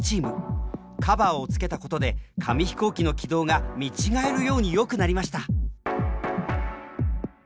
カバーをつけたことで紙飛行機の軌道が見違えるように良くなりました。